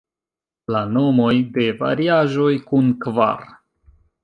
La nomoj de variaĵoj kun kvar.